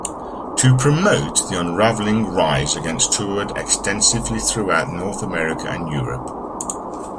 To promote "The Unraveling", Rise Against toured extensively throughout North America and Europe.